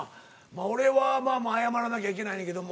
俺はまあまあ謝らなきゃいけないねんけども。